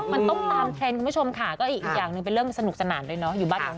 มันต้องตามเทรนด์คุณผู้ชมค่ะก็อีกอย่างหนึ่งเป็นเรื่องสนุกสนานเลยเนาะอยู่บ้านหลังนั้น